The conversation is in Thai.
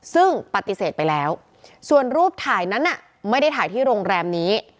ซึ่งปฏิเสธไปแล้วส่วนรูปถ่ายนั้นไม่ได้ถ่ายที่โรงแรมนี้